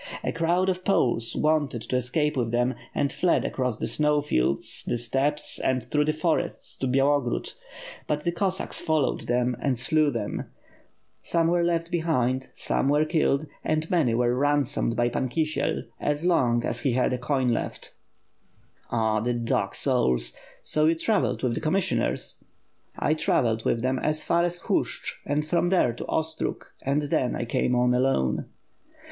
A crowd of Poles wanted to escape with them, and fled across the snow fields, the steppes, and through the forests to Bya logrod; but the Cossacks followed them and slew them. Some 620 WITH FIRE AND 8W0BD, were left behind, some were killed, and many were ransomed by Pan Kisiel, as long as he had a coin leti" "Oh, the dog souls! So you travelled with the commis sioners?'' "I travelled with them as far as Hushch and from there to Ostrog and then I came on alone."